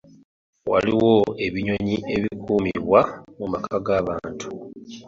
Waliwo ebinnyonnyi ebikuumibwa mu maka gabantu.